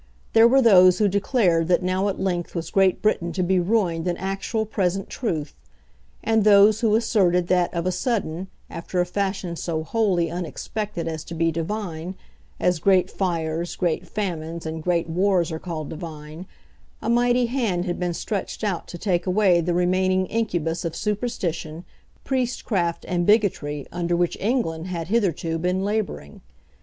There were those who declared that now at length was Great Britain to be ruined in actual present truth; and those who asserted that, of a sudden, after a fashion so wholly unexpected as to be divine, as great fires, great famines, and great wars are called divine, a mighty hand had been stretched out to take away the remaining incubus of superstition, priestcraft, and bigotry under which England had hitherto been labouring.